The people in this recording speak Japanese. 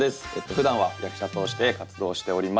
ふだんは役者として活動しております。